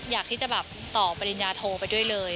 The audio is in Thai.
อยากที่จะแบบต่อปริญญาโทไปด้วยเลย